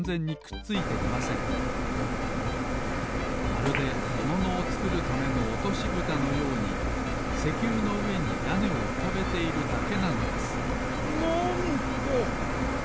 まるでにものをつくるためのおとしぶたのように石油のうえにやねをうかべているだけなのですなんと！